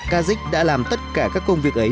kazik đã làm tất cả các công việc ấy